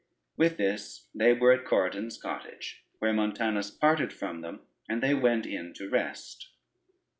With this they were at Corydon's cottage, where Montanus parted from them, and they went in to rest.